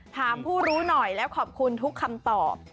ถามผู้รู้หน่อยแล้วขอบคุณทุกคำตอบ